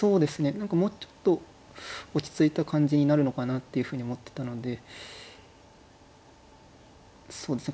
何かもうちょっと落ち着いた感じになるのかなっていうふうに思ってたのでそうですね